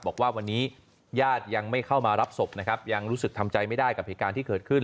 บอกว่าวันนี้ญาติยังไม่เข้ามารับศพนะครับยังรู้สึกทำใจไม่ได้กับเหตุการณ์ที่เกิดขึ้น